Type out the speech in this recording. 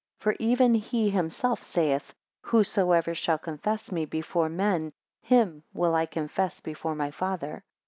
10 For even he himself saith, Whosoever shall confess me before men, him will I confess before my Father.